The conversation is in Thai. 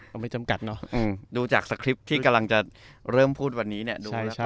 อืมดูจากสคริปท์ที่กำลังจะเริ่มพูดวันนี้เนี่ยใช่ใช่